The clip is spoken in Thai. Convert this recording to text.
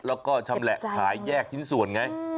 แล้วก็ชำแหละขายแยกชิ้นส่วนไง